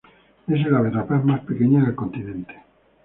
Es el ave rapaz más pequeña del continente.